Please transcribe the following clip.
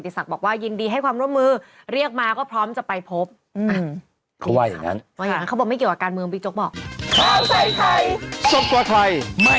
โปรดติดตามตอนต่อไป